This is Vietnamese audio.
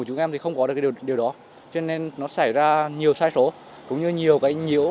chúng em thì không có được điều đó cho nên nó xảy ra nhiều sai số cũng như nhiều cái nhiễu